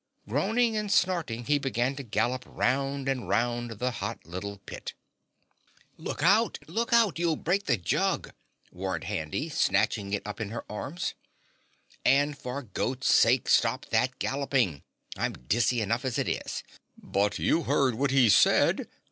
Groaning and snorting, he began to gallop round and round the hot little pit. "Look out! Look out! You'll break the jug," warned Handy, snatching it up in her arms. "And for goat's sake stop that galloping! I'm dizzy enough as it is." "But you heard what he said?"